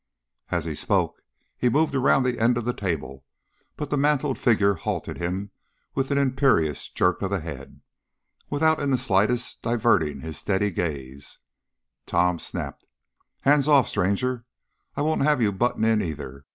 As he spoke he moved around the end of the table, but the mantled figure halted him with an imperious jerk of the head. Without in the slightest diverting his steady gaze, Tom snapped: "Hands off, stranger! I won't have you buttin' in, either.